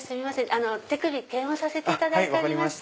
手首検温させていただいてます。